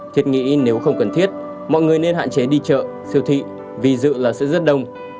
thiệt nghĩ nếu không cần thiết mọi người nên hạn chế đi chợ siêu thị ví dụ là sẽ rất đông